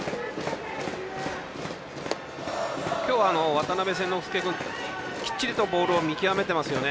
今日は渡邉千之亮君きっちりとボールを見極めていますよね。